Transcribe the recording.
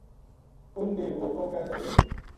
اِن نے وہ کوہ کے دھریو